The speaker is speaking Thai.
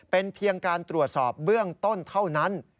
เป็นเพียงการตรวจสอบเบื้องต้นเท่านั้น